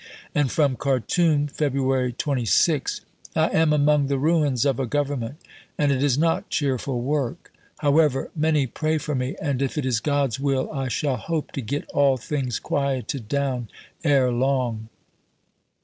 And from Khartoum (Feb. 26): "I am among the ruins of a Government, and it is not cheerful work. However, many pray for me, and if it is God's will, I shall hope to get all things quieted down ere long.